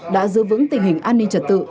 đã giữ vững tình hình an ninh trật tự